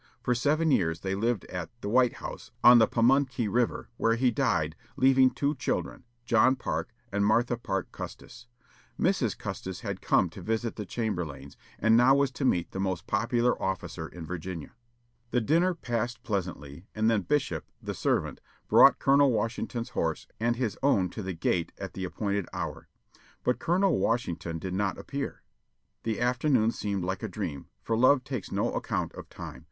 For seven years they lived at "The White House," on the Pamunkey River, where he died, leaving two children, John Parke and Martha Parke Custis. Mrs. Custis had come to visit the Chamberlaynes, and now was to meet the most popular officer in Virginia. The dinner passed pleasantly, and then Bishop, the servant, brought Colonel Washington's horse and his own to the gate at the appointed hour. But Colonel Washington did not appear. The afternoon seemed like a dream, for love takes no account of time.